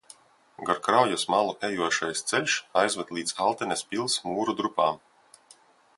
Gar kraujas malu ejošais ceļš aizved līdz Altenes pils mūru drupām.